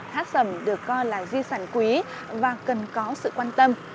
hát sầm được coi là di sản quý và cần có sự quan tâm